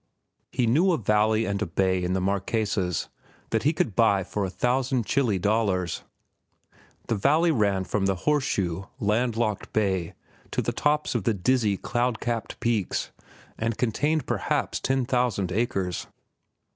He knew a valley and a bay in the Marquesas that he could buy for a thousand Chili dollars. The valley ran from the horseshoe, land locked bay to the tops of the dizzy, cloud capped peaks and contained perhaps ten thousand acres.